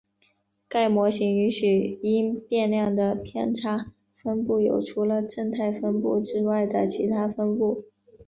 该模型允许因变量的偏差分布有除了正态分布之外的其它分布。